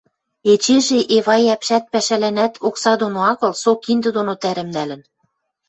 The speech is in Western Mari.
эчежӹ Эвай ӓпшӓт пӓшӓлӓнӓт окса доно агыл, со киндӹ доно тӓрӹм нӓлӹн.